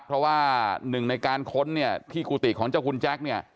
เพราะว่าหนึ่งในการค้นเนี่ยที่กุฏิของเจ้าคุณแจ๊คเนี่ย